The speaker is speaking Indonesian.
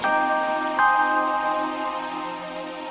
om jin gak boleh ikut